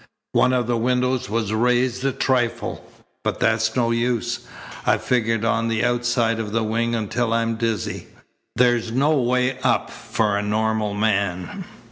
One of the windows was raised a trifle, but that's no use. I've figured on the outside of the wing until I'm dizzy. There's no way up for a normal man.